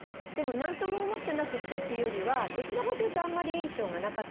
でも何とも思ってなくてっていうよりはどちらかというと。